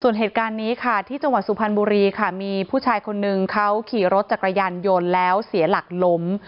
ส่วนเหตุการณ์นี้ค่ะที่จังหวัดสุพรรณบุรีค่ะมีผู้ชายคนนึงเขาขี่รถจักรยานยนต์แล้วเสียหลักล้ม